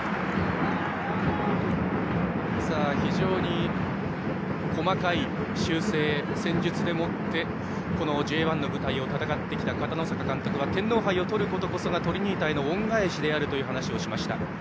非常に細かい修正、戦術でもってＪ１の舞台を戦ってきた片野坂監督は天皇杯をとることこそがトリニータへの恩返しであると語りました。